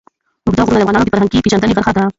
اوږده غرونه د افغانانو د فرهنګي پیژندنې برخه ده.